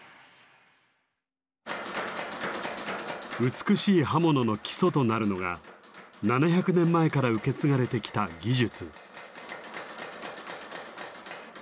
美しい刃物の基礎となるのが７００年前から受け継がれてきた技術。